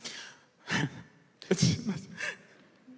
すみません。